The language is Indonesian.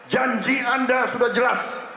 janji anda sudah jelas